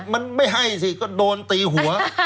มันไม่ให้สิก็โดนตีหัว